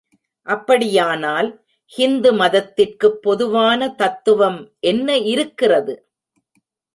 அப்படியானால் ஹிந்து மதத்திற்குப் பொதுவான தத்துவம் என்ன இருக்கிறது?